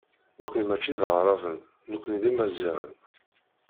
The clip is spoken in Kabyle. Nekkni mačči d Aɛraben, nekkni d Imaziɣen.